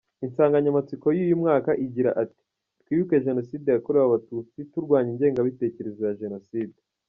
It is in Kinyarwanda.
Insanganyamatsiko y’uyu mwaka igira iti ‘Twibuke Jenoside yakorewe Abatutsi, turwanya ingengabitekerezo ya Jenoside’.